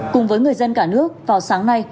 cùng với người dân cả nước vào sáng nay